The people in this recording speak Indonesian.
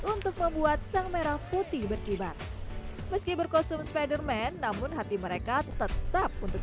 untuk membuat sang merah putih berkibar meski berkostum spiderman namun hati mereka tetap untuk